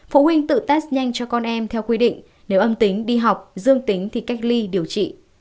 phụ huynh tự test nhanh cho con em theo quy định nếu âm tính đi học dương tính thì cách ly điều trị